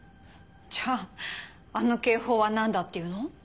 じゃああの警報は何だっていうの？